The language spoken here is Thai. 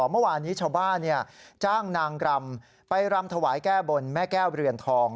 เมื่อวานนี้ชาวบ้านจ้างนางรำไปรำถวายแก้บนแม่แก้วเรือนทอง